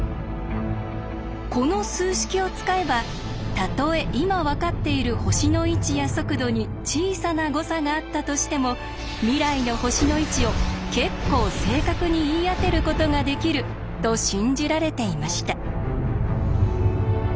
この数式を使えばたとえ今分かっている星の位置や速度に小さな誤差があったとしても未来の星の位置を結構正確に言い当てることができると信じられていました。